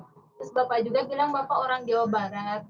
terus bapak juga bilang bapak orang jawa barat